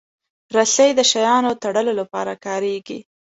رسۍ د شیانو تړلو لپاره کارېږي.